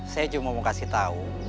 saya cuma mau kasih tahu